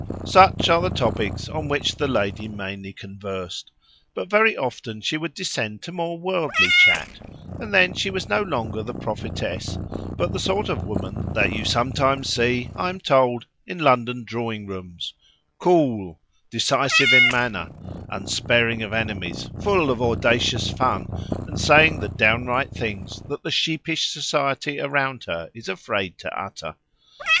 Such are the topics on which the lady mainly conversed, but very often she would descend to more worldly chat, and then she was no longer the prophetess, but the sort of woman that you sometimes see, I am told, in London drawing rooms—cool, decisive in manner, unsparing of enemies, full of audacious fun, and saying the downright things that the sheepish society around her is afraid to utter.